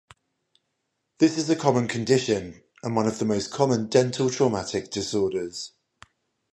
This is a common condition and one of the most common dental traumatic disorders.